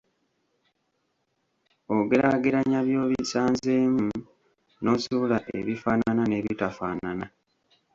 Ogeraageranya by'obisanzeemu n'ozuula ebifaanana n'ebitafaanana.